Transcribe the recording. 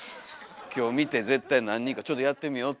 今日見て絶対何人かちょっとやってみようって。